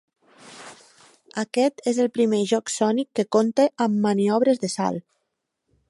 Aquest és el primer joc "Sonic" que compta amb maniobres de salt.